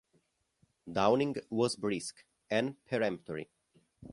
Downing was brisk and peremptory.